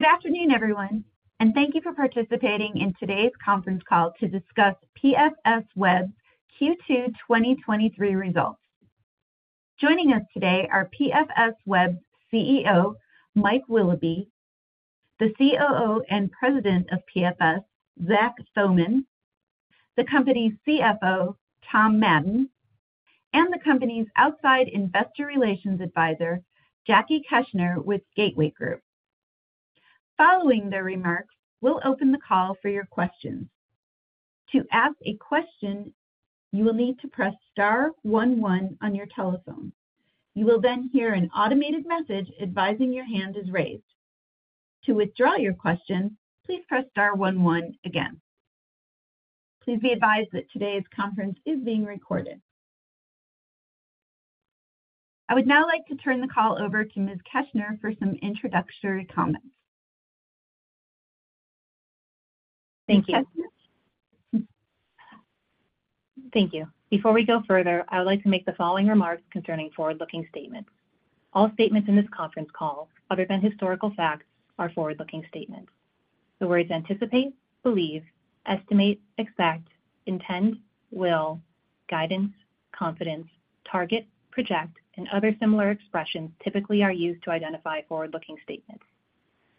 Good afternoon, everyone, and thank you for participating in today's conference call to discuss PFSweb's Q2 2023 results. Joining us today are PFSweb's CEO, Mike Willoughby, the COO and President of PFS, Zach Thomann, the company's CFO, Tom Madden, and the company's outside Investor Relations advisor, Jackie Keshner, with Gateway Group. Following their remarks, we'll open the call for your questions. To ask a question, you will need to press star one one on your telephone. You will hear an automated message advising your hand is raised. To withdraw your question, please press star one one again. Please be advised that today's conference is being recorded. I would now like to turn the call over to Ms. Keshner for some introductory comments. Thank you. Thank you. Before we go further, I would like to make the following remarks concerning forward-looking statements. All statements in this conference call, other than historical facts, are forward-looking statements. The words anticipate, believe, estimate, expect, intend, will, guidance, confidence, target, project, and other similar expressions, typically are used to identify forward-looking statements.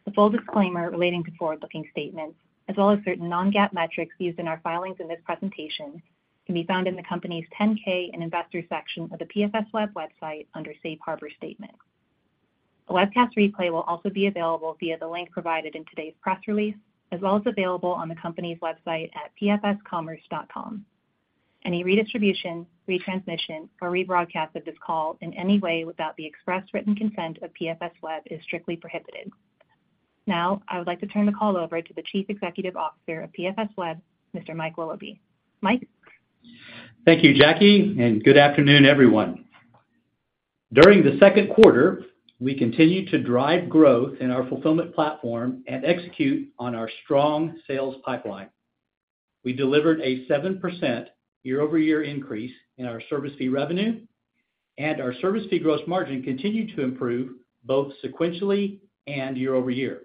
The full disclaimer relating to forward-looking statements, as well as certain non-GAAP metrics used in our filings in this presentation, can be found in the company's 10-K and investor section of the PFSweb website under Safe Harbor Statement. A webcast replay will also be available via the link provided in today's press release, as well as available on the company's website at pfscommerce.com. Any redistribution, retransmission, or rebroadcast of this call in any way without the express written consent of PFSweb is strictly prohibited. I would like to turn the call over to the Chief Executive Officer of PFSweb, Mr. Mike Willoughby. Mike? Thank you, Jackie, and good afternoon, everyone. During the second quarter, we continued to drive growth in our fulfillment platform and execute on our strong sales pipeline. We delivered a 7% year-over-year increase in our service fee revenue, and our service fee gross margin continued to improve both sequentially and year-over-year.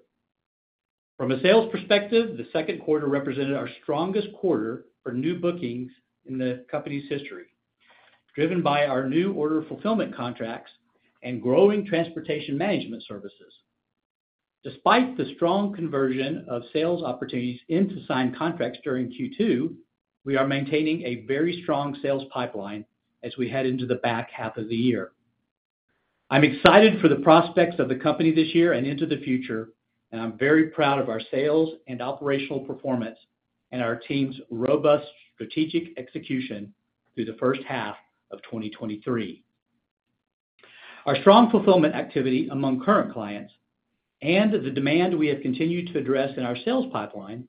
From a sales perspective, the second quarter represented our strongest quarter for new bookings in the company's history, driven by our new order fulfillment contracts and growing Transportation Management Services. Despite the strong conversion of sales opportunities into signed contracts during Q2, we are maintaining a very strong sales pipeline as we head into the back half of the year. I'm excited for the prospects of the company this year and into the future, and I'm very proud of our sales and operational performance and our team's robust strategic execution through the first half of 2023. Our strong fulfillment activity among current clients and the demand we have continued to address in our sales pipeline,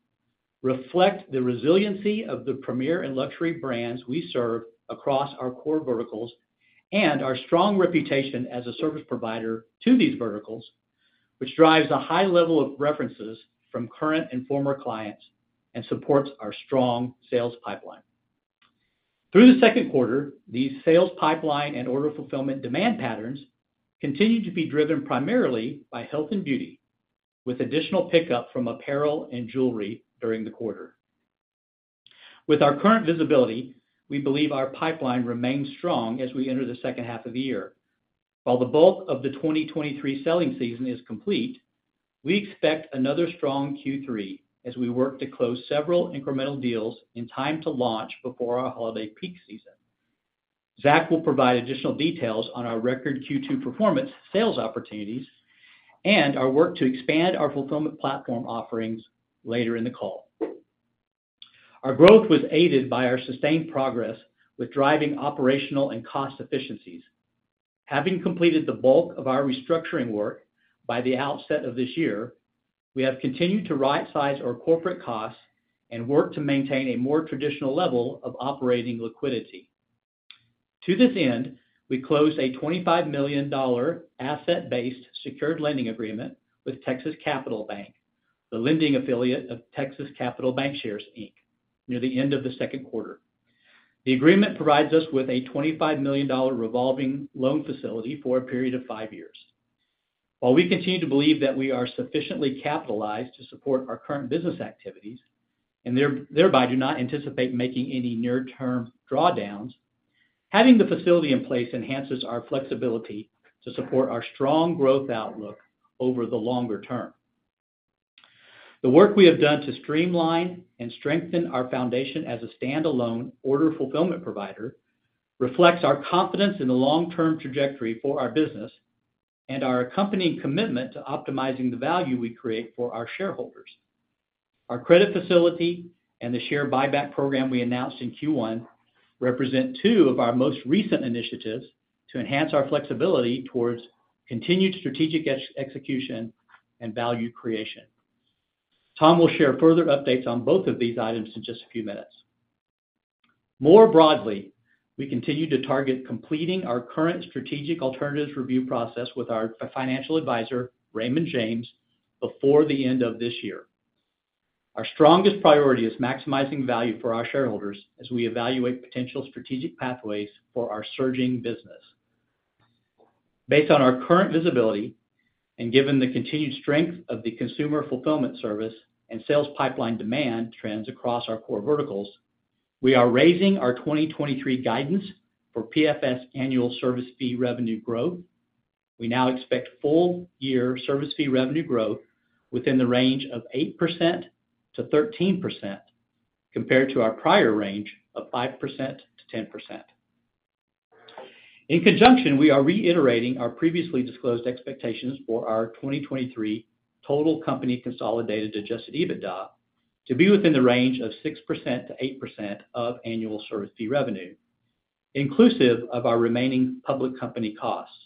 reflect the resiliency of the premier and luxury brands we serve across our core verticals, and our strong reputation as a service provider to these verticals, which drives a high level of references from current and former clients and supports our strong sales pipeline. Through the second quarter, these sales pipeline and order fulfillment demand patterns continued to be driven primarily by health and beauty, with additional pickup from apparel and jewelry during the quarter. With our current visibility, we believe our pipeline remains strong as we enter the second half of the year. While the bulk of the 2023 selling season is complete, we expect another strong Q3 as we work to close several incremental deals in time to launch before our holiday peak season. Zach will provide additional details on our record Q2 performance, sales opportunities, and our work to expand our fulfillment platform offerings later in the call. Our growth was aided by our sustained progress with driving operational and cost efficiencies. Having completed the bulk of our restructuring work by the outset of this year, we have continued to right-size our corporate costs and work to maintain a more traditional level of operating liquidity. To this end, we closed a $25 million asset-based secured lending agreement with Texas Capital Bank, the lending affiliate of Texas Capital Bancshares, Inc., near the end of the second quarter. The agreement provides us with a $25 million revolving loan facility for a period of five years. While we continue to believe that we are sufficiently capitalized to support our current business activities and thereby do not anticipate making any near-term drawdowns, having the facility in place enhances our flexibility to support our strong growth outlook over the longer term. The work we have done to streamline and strengthen our foundation as a standalone order fulfillment provider reflects our confidence in the long-term trajectory for our business and our accompanying commitment to optimizing the value we create for our shareholders. Our credit facility and the share buyback program we announced in Q1 represent two of our most recent initiatives to enhance our flexibility towards continued strategic execution and value creation. Tom will share further updates on both of these items in just a few minutes. More broadly, we continue to target completing our current strategic alternatives review process with our financial advisor, Raymond James, before the end of this year. Our strongest priority is maximizing value for our shareholders as we evaluate potential strategic pathways for our surging business. Based on our current visibility, given the continued strength of the consumer fulfillment service and sales pipeline demand trends across our core verticals, we are raising our 2023 guidance for PFS annual service fee revenue growth. We now expect full-year service fee revenue growth within the range of 8%-13%, compared to our prior range of 5%-10%. In conjunction, we are reiterating our previously disclosed expectations for our 2023 total company consolidated Adjusted EBITDA to be within the range of 6%-8% of annual service fee revenue, inclusive of our remaining public company costs.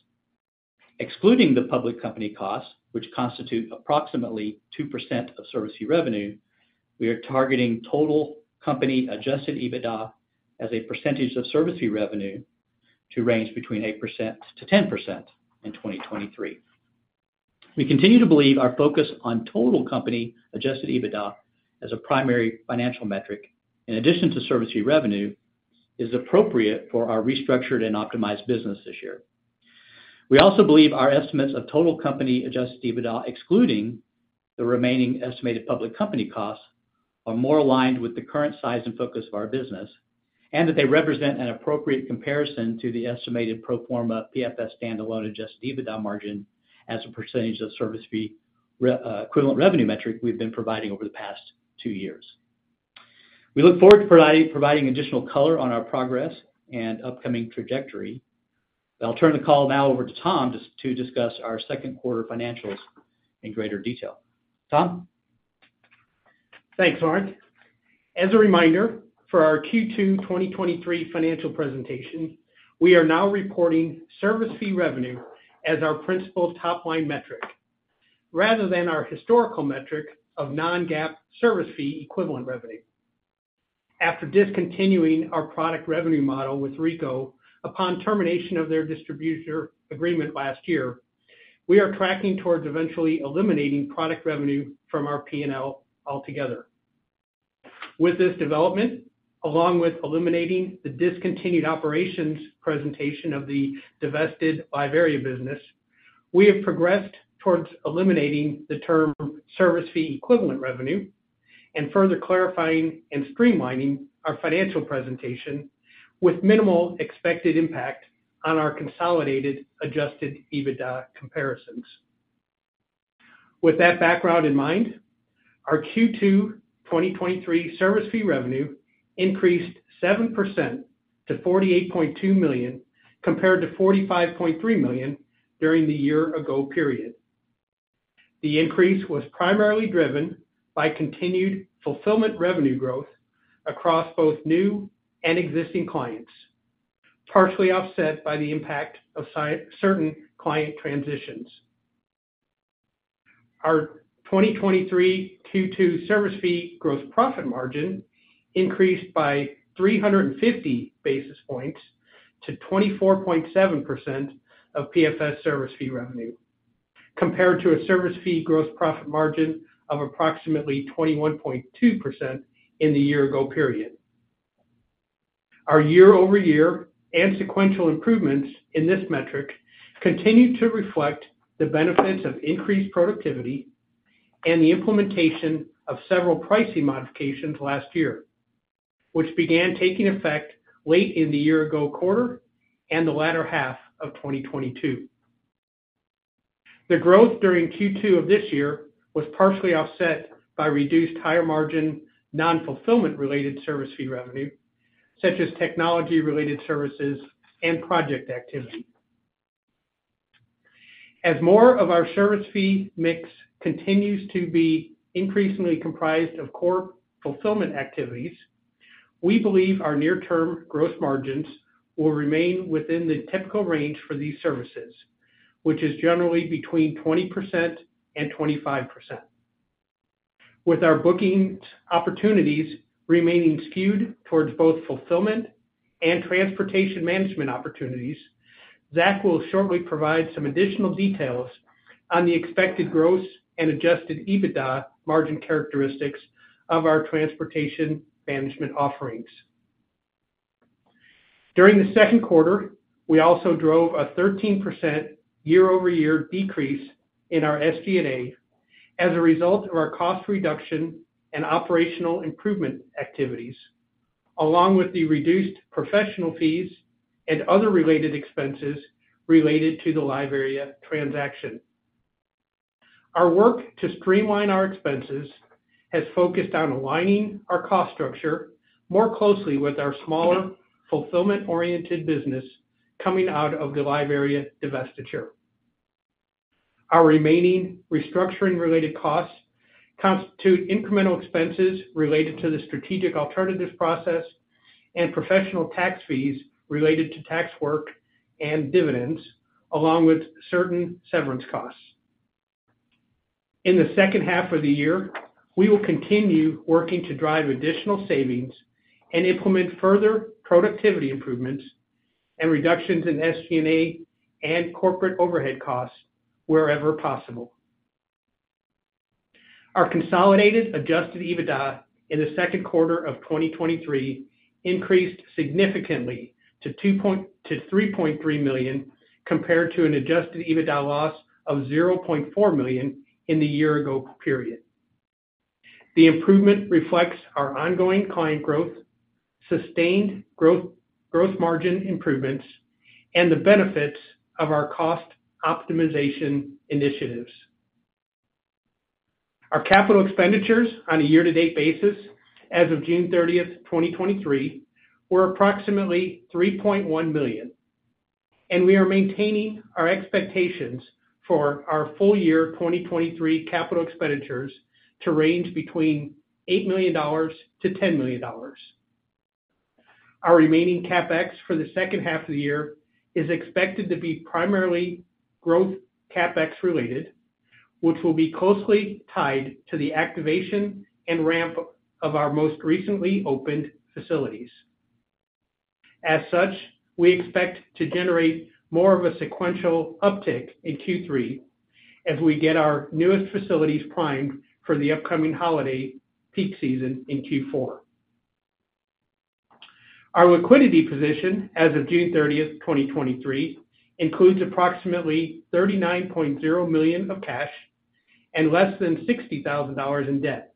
Excluding the public company costs, which constitute approximately 2% of service fee revenue, we are targeting total company Adjusted EBITDA as a percentage of service fee revenue to range between 8%-10% in 2023. We continue to believe our focus on total company Adjusted EBITDA as a primary financial metric, in addition to service fee revenue, is appropriate for our restructured and optimized business this year. We also believe our estimates of total company Adjusted EBITDA, excluding the remaining estimated public company costs, are more aligned with the current size and focus of our business, and that they represent an appropriate comparison to the estimated pro forma PFS standalone Adjusted EBITDA margin as a percentage of service fee equivalent revenue metric we've been providing over the past two years. We look forward to providing, providing additional color on our progress and upcoming trajectory. I'll turn the call now over to Tom, just to discuss our second quarter financials in greater detail. Tom? Thanks, Mike. As a reminder, for our Q2 2023 financial presentation, we are now reporting service fee revenue as our principal top-line metric, rather than our historical metric of non-GAAP service fee equivalent revenue. After discontinuing our product revenue model with Ricoh upon termination of their distributor agreement last year, we are tracking towards eventually eliminating product revenue from our P&L altogether. With this development, along with eliminating the discontinued operations presentation of the divested LiveArea business, we have progressed towards eliminating the term service fee equivalent revenue and further clarifying and streamlining our financial presentation with minimal expected impact on our consolidated Adjusted EBITDA comparisons. With that background in mind, our Q2 2023 service fee revenue increased 7% to $48.2 million, compared to $45.3 million during the year ago period. The increase was primarily driven by continued fulfillment revenue growth across both new and existing clients, partially offset by the impact of certain client transitions. Our 2023 Q2 service fee gross profit margin increased by 350 basis points to 24.7% of PFS service fee revenue, compared to a service fee gross profit margin of approximately 21.2% in the year ago period. Our year-over-year and sequential improvements in this metric continue to reflect the benefits of increased productivity and the implementation of several pricing modifications last year, which began taking effect late in the year ago quarter and the latter half of 2022. The growth during Q2 of this year was partially offset by reduced higher margin, non-fulfillment related service fee revenue, such as technology-related services and project activity. As more of our service fee mix continues to be increasingly comprised of core fulfillment activities, we believe our near-term growth margins will remain within the typical range for these services, which is generally between 20% and 25%. With our bookings opportunities remaining skewed towards both fulfillment and transportation management opportunities, Zach will shortly provide some additional details on the expected gross and Adjusted EBITDA margin characteristics of our transportation management offerings. During the second quarter, we also drove a 13% year-over-year decrease in our SG&A as a result of our cost reduction and operational improvement activities, along with the reduced professional fees and other related expenses related to the LiveArea transaction. Our work to streamline our expenses has focused on aligning our cost structure more closely with our smaller, fulfillment-oriented business coming out of the LiveArea divestiture. Our remaining restructuring related costs constitute incremental expenses related to the strategic alternatives process and professional tax fees related to tax work and dividends, along with certain severance costs. In the second half of the year, we will continue working to drive additional savings and implement further productivity improvements and reductions in SG&A and corporate overhead costs wherever possible. Our consolidated Adjusted EBITDA in the second quarter of 2023 increased significantly to $3.3 million, compared to an Adjusted EBITDA loss of $0.4 million in the year-ago period. The improvement reflects our ongoing client growth, sustained growth, growth margin improvements, and the benefits of our cost optimization initiatives. Our capital expenditures on a year-to-date basis as of June 30th, 2023, were approximately $3.1 million, and we are maintaining our expectations for our full year 2023 capital expenditures to range between $8 million-$10 million. Our remaining CapEx for the second half of the year is expected to be primarily growth CapEx related, which will be closely tied to the activation and ramp of our most recently opened facilities. As such, we expect to generate more of a sequential uptick in Q3 as we get our newest facilities primed for the upcoming holiday peak season in Q4. Our liquidity position as of June 30th, 2023, includes approximately $39.0 million of cash and less than $60,000 in debt.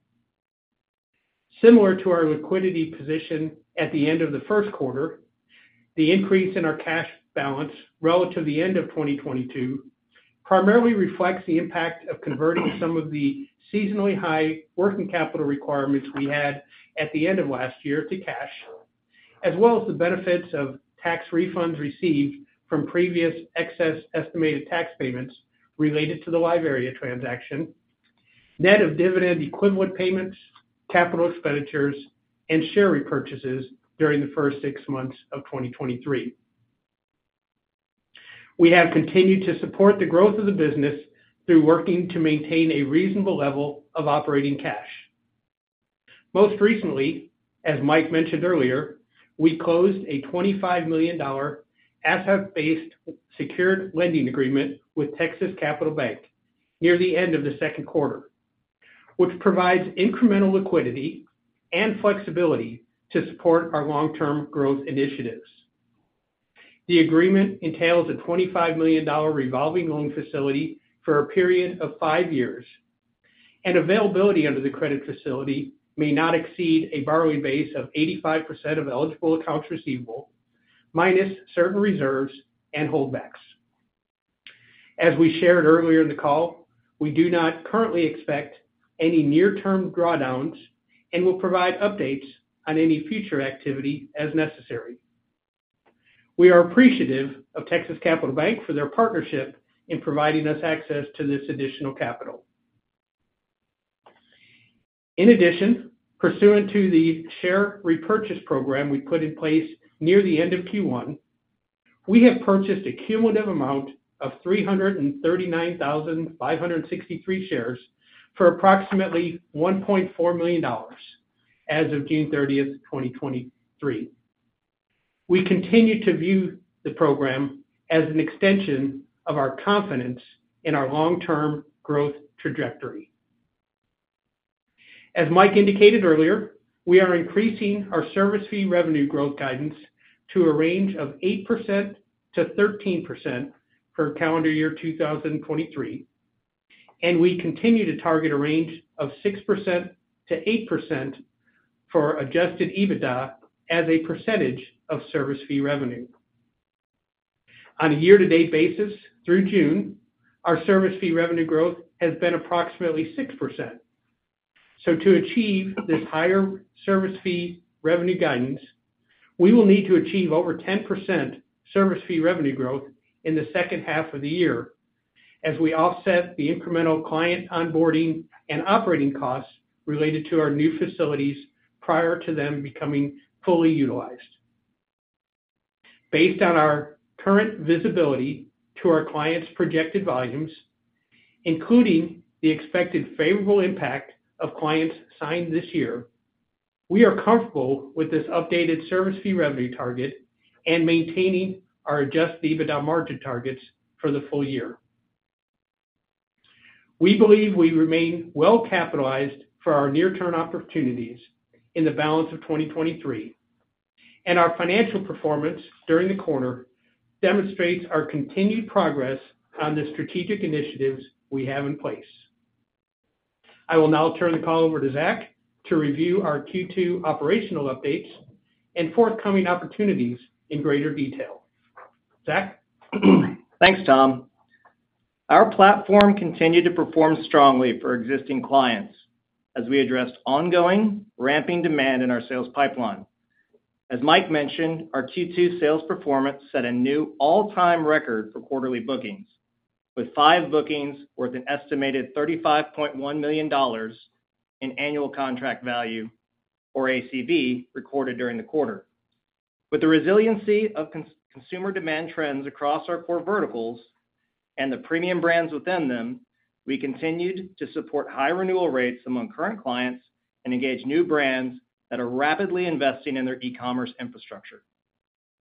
Similar to our liquidity position at the end of the first quarter, the increase in our cash balance relative to the end of 2022 primarily reflects the impact of converting some of the seasonally high working capital requirements we had at the end of last year to cash, as well as the benefits of tax refunds received from previous excess estimated tax payments related to the LiveArea transaction, net of dividend equivalent payments, capital expenditures, and share repurchases during the first six months of 2023. We have continued to support the growth of the business through working to maintain a reasonable level of operating cash. Most recently, as Mike mentioned earlier, we closed a $25 million asset-based secured lending agreement with Texas Capital Bank near the end of the second quarter, which provides incremental liquidity and flexibility to support our long-term growth initiatives. The agreement entails a $25 million revolving loan facility for a period of five years. Availability under the credit facility may not exceed a borrowing base of 85% of eligible accounts receivable, minus certain reserves and holdbacks. As we shared earlier in the call, we do not currently expect any near-term drawdowns and will provide updates on any future activity as necessary. We are appreciative of Texas Capital Bank for their partnership in providing us access to this additional capital. In addition, pursuant to the share repurchase program we put in place near the end of Q1, we have purchased a cumulative amount of 339,563 shares for approximately $1.4 million as of June 30th, 2023. We continue to view the program as an extension of our confidence in our long-term growth trajectory. As Mike indicated earlier, we are increasing our service fee revenue growth guidance to a range of 8%-13% for calendar year 2023, and we continue to target a range of 6%-8% for Adjusted EBITDA as a percentage of service fee revenue. On a year-to-date basis through June, our service fee revenue growth has been approximately 6%. To achieve this higher service fee revenue guidance, we will need to achieve over 10% service fee revenue growth in the second half of the year as we offset the incremental client onboarding and operating costs related to our new facilities prior to them becoming fully utilized. Based on our current visibility to our clients' projected volumes, including the expected favorable impact of clients signed this year, we are comfortable with this updated service fee revenue target and maintaining our Adjusted EBITDA margin targets for the full year. We believe we remain well capitalized for our near-term opportunities in the balance of 2023, our financial performance during the quarter demonstrates our continued progress on the strategic initiatives we have in place. I will now turn the call over to Zach to review our Q2 operational updates and forthcoming opportunities in greater detail. Zach? Thanks, Tom. Our platform continued to perform strongly for existing clients as we addressed ongoing ramping demand in our sales pipeline. As Mike mentioned, our Q2 sales performance set a new all-time record for quarterly bookings, with bookings worth an estimated $35.1 million in annual contract value, or ACV, recorded during the quarter. With the resiliency of consumer demand trends across our core verticals and the premium brands within them, we continued to support high renewal rates among current clients and engage new brands that are rapidly investing in their e-commerce infrastructure.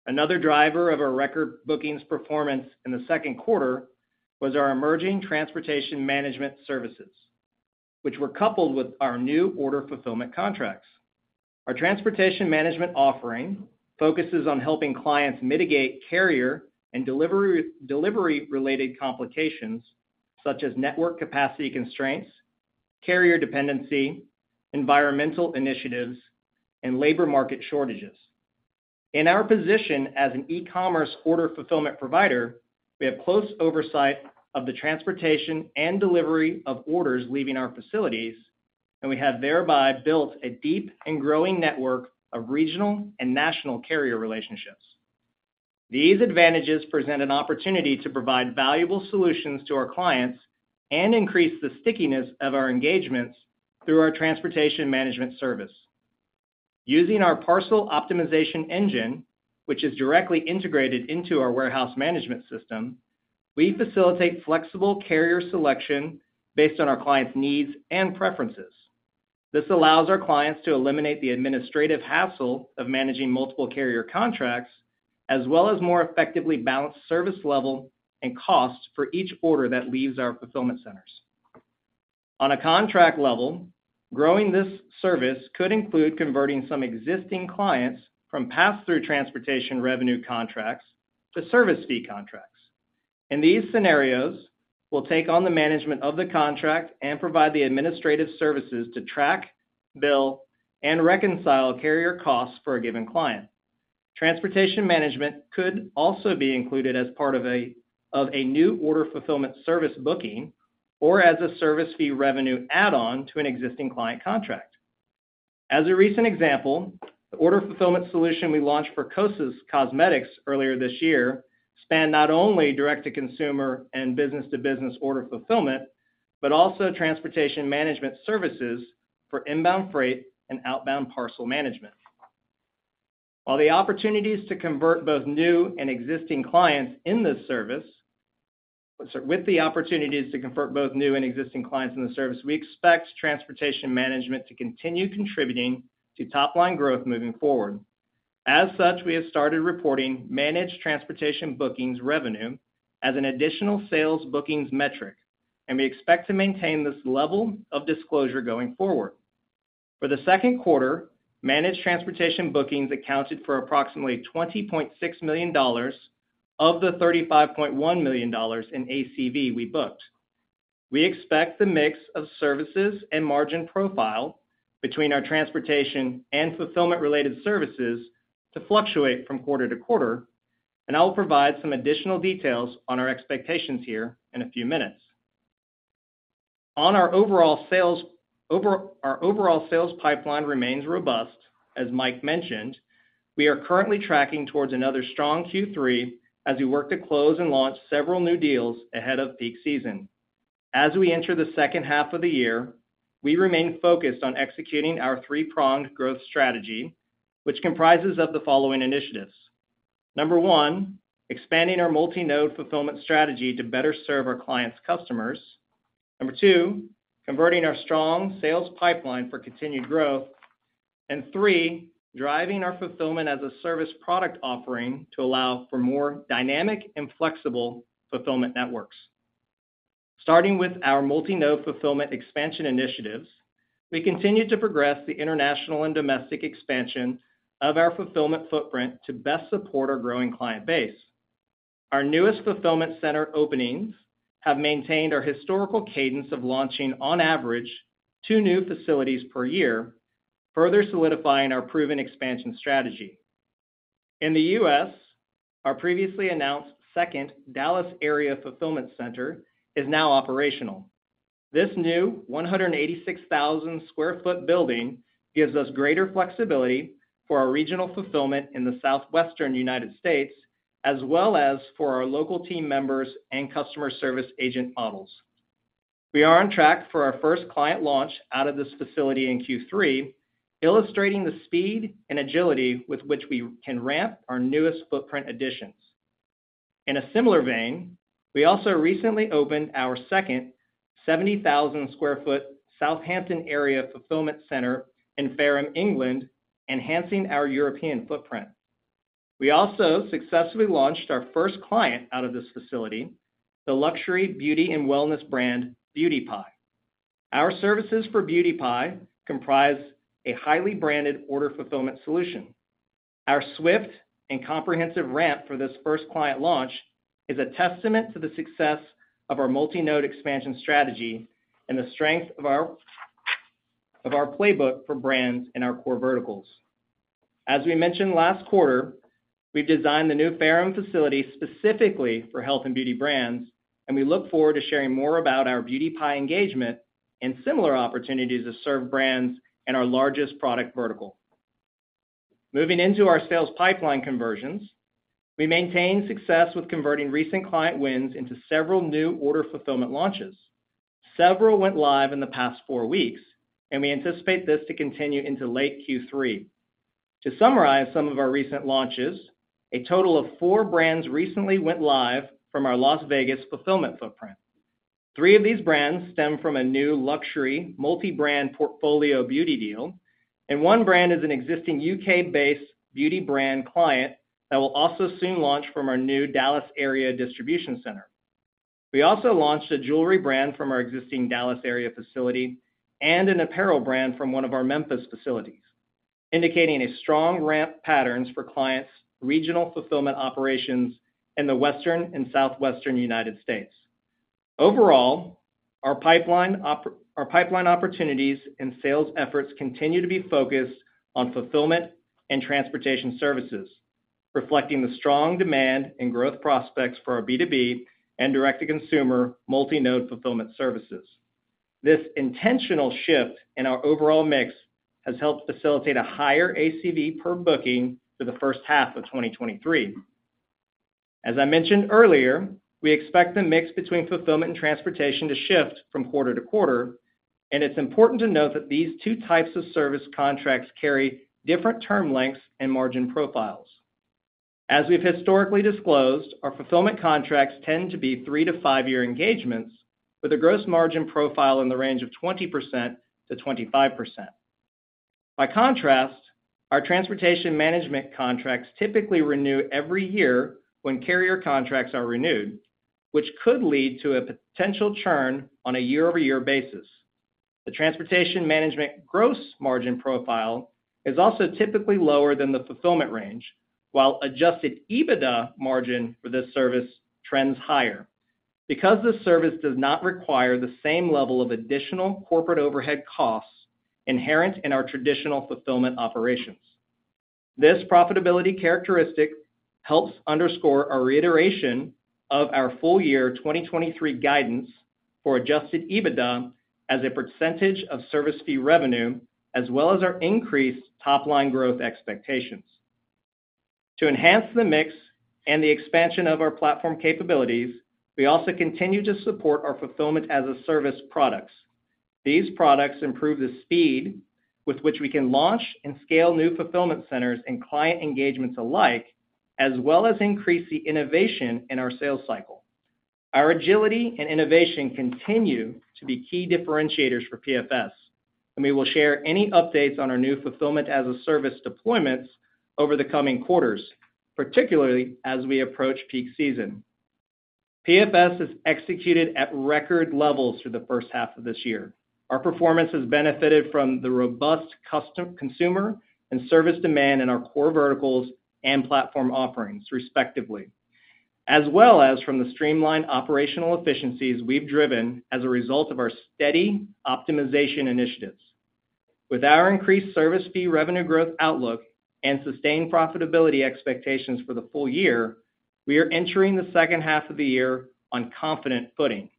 Another driver of our record bookings performance in the second quarter was our emerging Transportation Management Services, which were coupled with our new order fulfillment contracts. Our Transportation Management offering focuses on helping clients mitigate carrier and delivery-related complications such as network capacity constraints, carrier dependency, environmental initiatives, and labor market shortages. In our position as an e-commerce order fulfillment provider, we have close oversight of the transportation and delivery of orders leaving our facilities, and we have thereby built a deep and growing network of regional and national carrier relationships. These advantages present an opportunity to provide valuable solutions to our clients and increase the stickiness of our engagements through our Transportation Management Service. Using our parcel optimization engine, which is directly integrated into our warehouse management system, we facilitate flexible carrier selection based on our clients' needs and preferences. This allows our clients to eliminate the administrative hassle of managing multiple carrier contracts, as well as more effectively balance service level and costs for each order that leaves our fulfillment centers. On a contract level, growing this service could include converting some existing clients from pass-through transportation revenue contracts to service fee contracts. In these scenarios, we'll take on the management of the contract and provide the administrative services to track, bill, and reconcile carrier costs for a given client. Transportation management could also be included as part of a new order fulfillment service booking or as a service fee revenue add-on to an existing client contract. As a recent example, the order fulfillment solution we launched for Kosas Cosmetics earlier this year spanned not only direct-to-consumer and business-to-business order fulfillment, but also Transportation Management Services for inbound freight and outbound parcel management. With the opportunities to convert both new and existing clients in the service, we expect transportation management to continue contributing to top-line growth moving forward. As such, we have started reporting managed transportation bookings revenue as an additional sales bookings metric, and we expect to maintain this level of disclosure going forward. For the second quarter, managed transportation bookings accounted for approximately $20.6 million of the $35.1 million in ACV we booked. We expect the mix of services and margin profile between our transportation and fulfillment-related services to fluctuate from quarter-to-quarter, and I will provide some additional details on our expectations here in a few minutes. On our overall sales, our overall sales pipeline remains robust. As Mike mentioned, we are currently tracking towards another strong Q3 as we work to close and launch several new deals ahead of peak season. As we enter the second half of the year, we remain focused on executing our three-pronged growth strategy, which comprises of the following initiatives. Number one, expanding our multi-node fulfillment strategy to better serve our clients' customers. Number two, converting our strong sales pipeline for continued growth. Three, driving our Fulfillment-as-a-Service product offering to allow for more dynamic and flexible fulfillment networks. Starting with our multi-node fulfillment expansion initiatives, we continue to progress the international and domestic expansion of our fulfillment footprint to best support our growing client base. Our newest fulfillment center openings have maintained our historical cadence of launching, on average, two new facilities per year, further solidifying our proven expansion strategy. In the U.S., our previously announced second Dallas area fulfillment center is now operational. This new 186,000 sq ft building gives us greater flexibility for our regional fulfillment in the Southwestern United States, as well as for our local team members and customer service agent models. We are on track for our first client launch out of this facility in Q3, illustrating the speed and agility with which we can ramp our newest footprint additions. In a similar vein, we also recently opened our second 70,000 sq ft Southampton area fulfillment center in Fareham, England, enhancing our European footprint. We also successfully launched our first client out of this facility, the luxury beauty and wellness brand, Beauty Pie. Our services for Beauty Pie comprise a highly branded order fulfillment solution. Our swift and comprehensive ramp for this first client launch is a testament to the success of our multi-node expansion strategy and the strength of our playbook for brands in our core verticals. As we mentioned last quarter, we've designed the new Fareham facility specifically for health and beauty brands. We look forward to sharing more about our Beauty Pie engagement and similar opportunities to serve brands in our largest product vertical. Moving into our sales pipeline conversions, we maintained success with converting recent client wins into several new order fulfillment launches. Several went live in the past four weeks, and we anticipate this to continue into late Q3. To summarize some of our recent launches, a total of four brands recently went live from our Las Vegas fulfillment footprint. Three of these brands stem from a new luxury multi-brand portfolio beauty deal. One brand is an existing U.K.-based beauty brand client that will also soon launch from our new Dallas area distribution center. We also launched a jewelry brand from our existing Dallas area facility and an apparel brand from one of our Memphis facilities, indicating a strong ramp patterns for clients, regional fulfillment operations in the Western and Southwestern United States. Overall, our pipeline opportunities and sales efforts continue to be focused on fulfillment and transportation services, reflecting the strong demand and growth prospects for our B2B and direct-to-consumer multi-node fulfillment services. This intentional shift in our overall mix has helped facilitate a higher ACV per booking for the first half of 2023. As I mentioned earlier, we expect the mix between fulfillment and transportation to shift from quarter-to-quarter, and it's important to note that these two types of service contracts carry different term lengths and margin profiles. As we've historically disclosed, our fulfillment contracts tend to be three-five-year engagements with a gross margin profile in the range of 20%-25%. By contrast, our transportation management contracts typically renew every year when carrier contracts are renewed, which could lead to a potential churn on a year-over-year basis. The transportation management gross margin profile is also typically lower than the fulfillment range, while Adjusted EBITDA margin for this service trends higher. Because this service does not require the same level of additional corporate overhead costs inherent in our traditional fulfillment operations. This profitability characteristic helps underscore our reiteration of our full year 2023 guidance for Adjusted EBITDA as a percentage of service fee revenue, as well as our increased top-line growth expectations. To enhance the mix and the expansion of our platform capabilities, we also continue to support our Fulfillment-as-a-Service products. These products improve the speed with which we can launch and scale new fulfillment centers and client engagements alike, as well as increase the innovation in our sales cycle. Our agility and innovation continue to be key differentiators for PFS, and we will share any updates on our new Fulfillment-as-a-Service deployments over the coming quarters, particularly as we approach peak season. PFS is executed at record levels for the first half of this year. Our performance has benefited from the robust custom, consumer, and service demand in our core verticals and platform offerings, respectively, as well as from the streamlined operational efficiencies we've driven as a result of our steady optimization initiatives. With our increased service fee revenue growth outlook and sustained profitability expectations for the full year, we are entering the second half of the year on confident footing.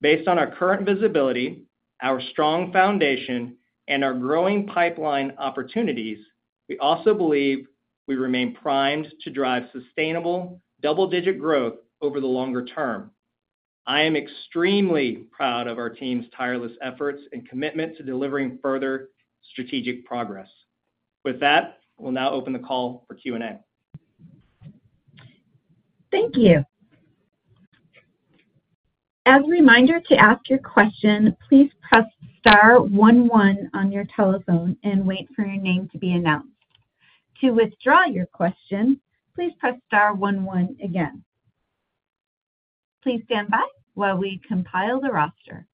Based on our current visibility, our strong foundation, and our growing pipeline opportunities, we also believe we remain primed to drive sustainable double-digit growth over the longer term. I am extremely proud of our team's tireless efforts and commitment to delivering further strategic progress. With that, we'll now open the call for Q&A. Thank you. As a reminder to ask your question, please press star one one on your telephone and wait for your name to be announced. To withdraw your question, please press star one one again. Please stand by while we compile the roster.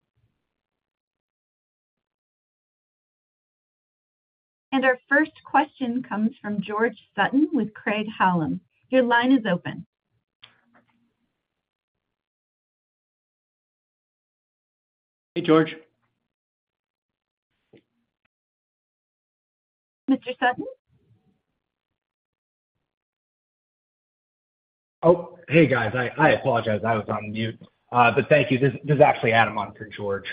Our first question comes from George Sutton with Craig-Hallum. Your line is open. Hey, George. Mr. Sutton? Oh, hey, guys. I, I apologize. I was on mute, but thank you. This, this is actually Adam on for George.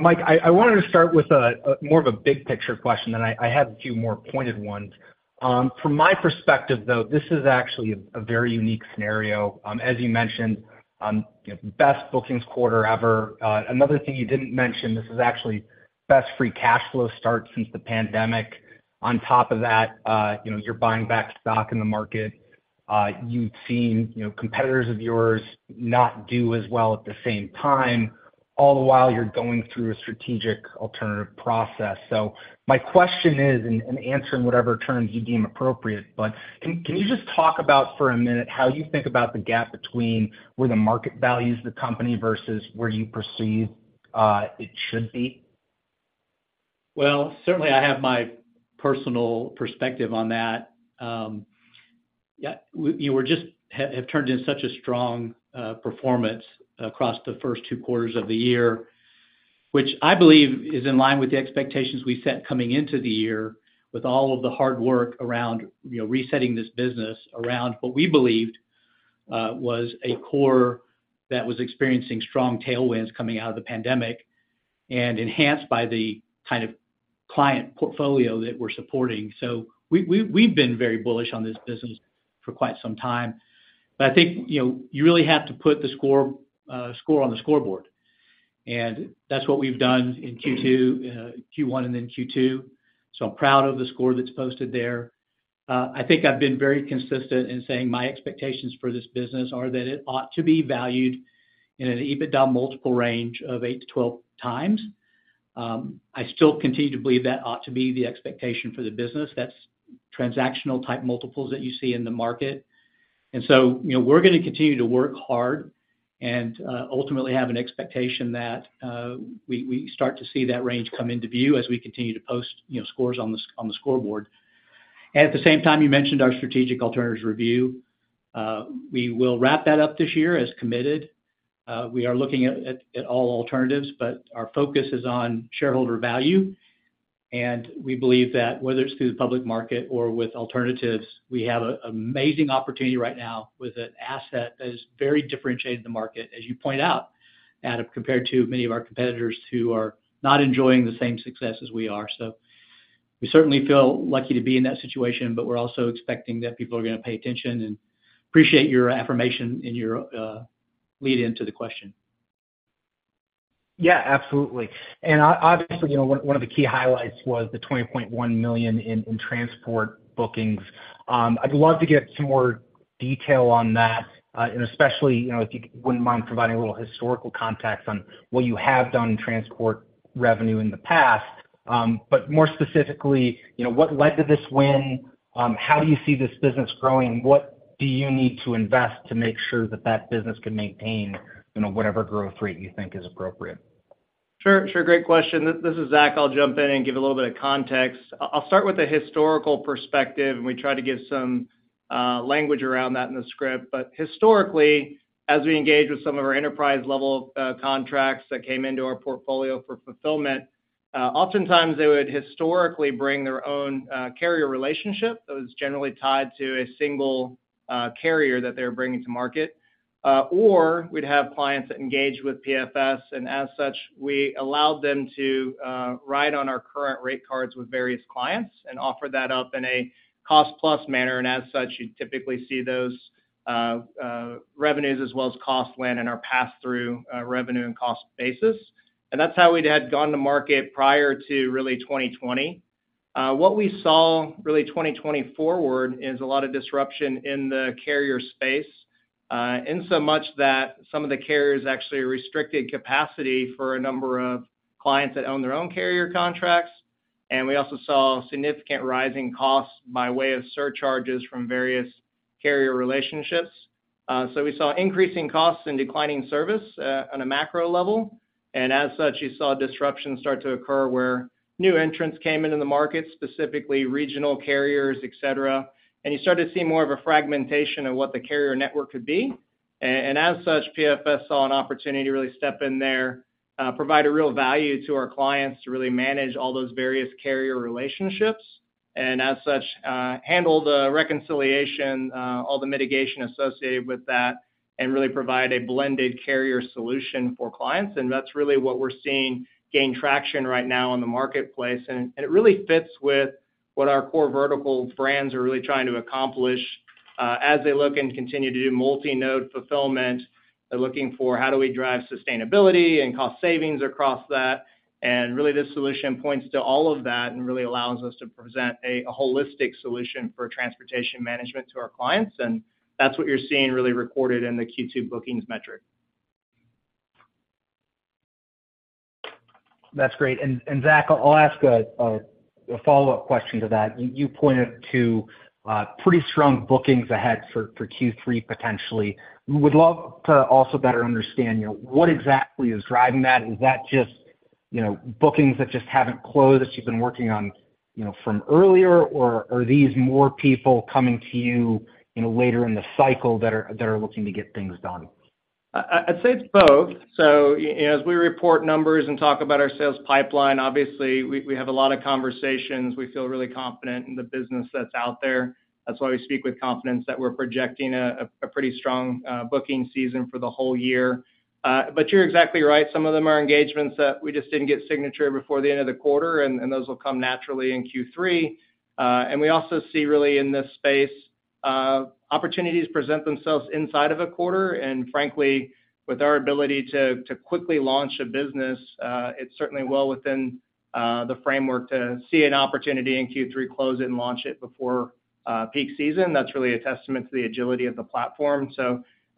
Mike, I, I wanted to start with a, a more of a big picture question, then I, I had a few more pointed ones. From my perspective, though, this is actually a, a very unique scenario. As you mentioned, you know, best bookings quarter ever. Another thing you didn't mention, this is actually best free cash flow start since the pandemic. On top of that, you know, you're buying back stock in the market. You've seen, you know, competitors of yours not do as well at the same time, all the while you're going through a strategic alternative process. My question is, answer in whatever terms you deem appropriate, but can you just talk about for a minute how you think about the gap between where the market values the company versus where you perceive it should be? Well, certainly, I have my personal perspective on that. Yeah, we, we just have turned in such a strong performance across the first two quarters of the year, which I believe is in line with the expectations we set coming into the year, with all of the hard work around, you know, resetting this business, around what we believed was a core that was experiencing strong tailwinds coming out of the pandemic and enhanced by the kind of client portfolio that we're supporting. We, we, we've been very bullish on this business for quite some time. I think, you know, you really have to put the score, score on the scoreboard. That's what we've done in Q2, Q1, and then Q2. I'm proud of the score that's posted there. I think I've been very consistent in saying my expectations for this business are that it ought to be valued in an EBITDA multiple range of 8x-12x. I still continue to believe that ought to be the expectation for the business. That's transactional-type multiples that you see in the market. You know, we're gonna continue to work hard and ultimately have an expectation that we start to see that range come into view as we continue to post, you know, scores on the scoreboard. At the same time, you mentioned our strategic alternatives review. We will wrap that up this year, as committed. We are looking at, at, at all alternatives, but our focus is on shareholder value, and we believe that whether it's through the public market or with alternatives, we have a amazing opportunity right now with an asset that is very differentiated in the market, as you point out, Adam, compared to many of our competitors who are not enjoying the same success as we are. We certainly feel lucky to be in that situation, but we're also expecting that people are gonna pay attention and appreciate your affirmation in your lead-in to the question. Yeah, absolutely. Obviously, you know, one, one of the key highlights was the $20.1 million in, in transport bookings. I'd love to get some more detail on that, and especially, you know, if you wouldn't mind providing a little historical context on what you have done in transport revenue in the past. More specifically, you know, what led to this win? How do you see this business growing? What do you need to invest to make sure that that business can maintain, you know, whatever growth rate you think is appropriate? Sure, sure. Great question. This, this is Zach. I'll jump in and give a little bit of context. I, I'll start with the historical perspective, and we try to give some language around that in the script. Historically, as we engage with some of our enterprise-level contracts that came into our portfolio for fulfillment, oftentimes, they would historically bring their own carrier relationship that was generally tied to a single carrier that they're bringing to market. Or we'd have clients that engage with PFS, and as such, we allowed them to ride on our current rate cards with various clients and offer that up in a cost-plus manner. As such, you typically see those revenues as well as cost land in our pass-through revenue and cost basis. That's how we'd had gone to market prior to really 2020. What we saw, really, 2020 forward, is a lot of disruption in the carrier space, in so much that some of the carriers actually restricted capacity for a number of clients that own their own carrier contracts, and we also saw significant rising costs by way of surcharges from various carrier relationships. So we saw increasing costs and declining service on a macro level. As such, you saw disruptions start to occur where new entrants came into the market, specifically regional carriers, et cetera. You started to see more of a fragmentation of what the carrier network could be. As such, PFS saw an opportunity to really step in there, provide a real value to our clients to really manage all those various carrier relationships, and as such, handle the reconciliation, all the mitigation associated with that, and really provide a blended carrier solution for clients. That's really what we're seeing gain traction right now in the marketplace. It really fits with what our core vertical brands are really trying to accomplish, as they look and continue to do multi-node fulfillment. They're looking for how do we drive sustainability and cost savings across that. Really, this solution points to all of that and really allows us to present a, a holistic solution for transportation management to our clients, and that's what you're seeing really recorded in the Q2 bookings metric. That's great. Zach, I'll ask a follow-up question to that. You pointed to pretty strong bookings ahead for Q3, potentially. We would love to also better understand, you know, what exactly is driving that. Is that just, you know, bookings that just haven't closed, that you've been working on, you know, from earlier, or are these more people coming to you, you know, later in the cycle that are looking to get things done? I'd say it's both. As we report numbers and talk about our sales pipeline, obviously, we, we have a lot of conversations. We feel really confident in the business that's out there. That's why we speak with confidence that we're projecting a pretty strong booking season for the whole year. You're exactly right. Some of them are engagements that we just didn't get signature before the end of the quarter, and those will come naturally in Q3. We also see really in this space, opportunities present themselves inside of a quarter. Frankly, with our ability to quickly launch a business, it's certainly well within the framework to see an opportunity in Q3, close it, and launch it before peak season. That's really a testament to the agility of the platform.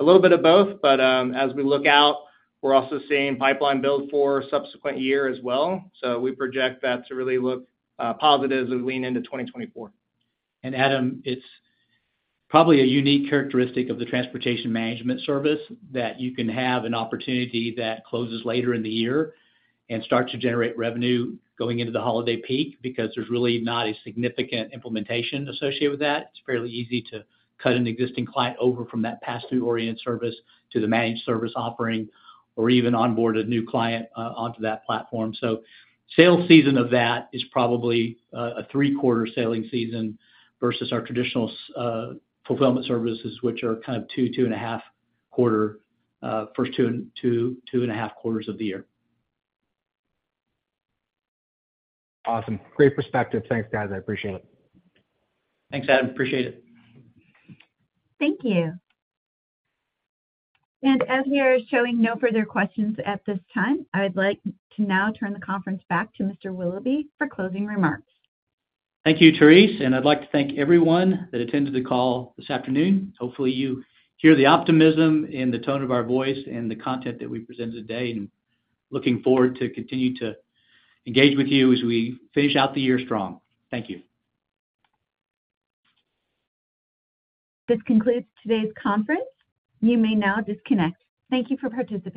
A little bit of both, but, as we look out, we're also seeing pipeline build for subsequent year as well. We project that to really look positive as we lean into 2024. Adam, it's probably a unique characteristic of the Transportation Management Service, that you can have an opportunity that closes later in the year and start to generate revenue going into the holiday peak, because there's really not a significant implementation associated with that. It's fairly easy to cut an existing client over from that pass-through-oriented service to the managed service offering or even onboard a new client onto that platform. So sales season of that is probably a three-quarter sailing season versus our traditional fulfillment services, which are kind of two, 2.5 quarter, first two, two, 2.5 quarters of the year. Awesome. Great perspective. Thanks, guys. I appreciate it. Thanks, Adam. Appreciate it. Thank you. As we are showing no further questions at this time, I would like to now turn the conference back to Mr. Willoughby for closing remarks. Thank you, Therese. I'd like to thank everyone that attended the call this afternoon. Hopefully, you hear the optimism in the tone of our voice and the content that we presented today, and looking forward to continue to engage with you as we finish out the year strong. Thank you. This concludes today's conference. You may now disconnect. Thank you for participating.